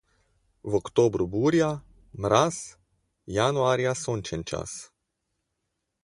V oktobru burja, mraz, januarja sončen čas.